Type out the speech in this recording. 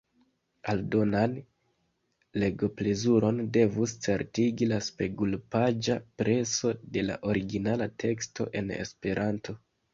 Aldonan legoplezuron devus certigi la spegulpaĝa preso de la originala teksto en Esperanto.